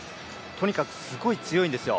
とにかくすごい強いんですよ。